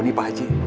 ini pak haji